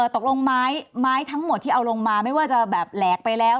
ตกลงไม้ทั้งหมดที่เอาลงมาไม่ว่าจะแบบแหลกไปแล้ว